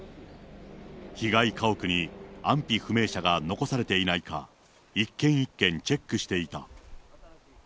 被害家屋に安否不明者が残されていないか、一軒一軒チェックしていた。